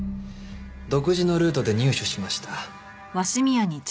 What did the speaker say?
独自のルートで入手しました。